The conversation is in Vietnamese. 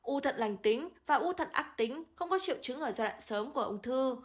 u thận lành tính và u thận ác tính không có triệu chứng ở giai đoạn sớm của ung thư